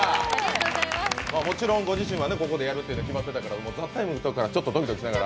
もちろんご自身はここでやるって決まってたから「ＴＨＥＴＩＭＥ，」のときからちょっとドキドキしながら。